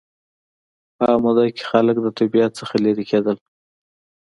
په هغه موده کې خلک له طبیعت څخه لېرې کېدل